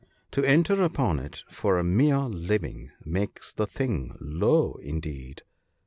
To enter upon it for a mere living makes the thing low indeed.